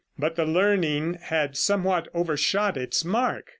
But the learning had somewhat overshot its mark.